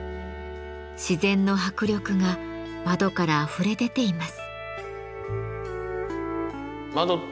自然の迫力が窓からあふれ出ています。